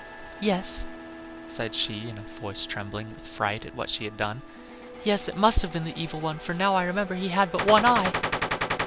"Yes," said she, in a voice trembling with fright at what she had done, "yes, it must have been the evil one, for now I remember he had but one eye."